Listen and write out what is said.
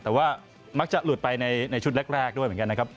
แต่ว่ามักจะหลุดไปในชุดแรกด้วยเหมือนกันนะครับ